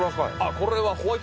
これは。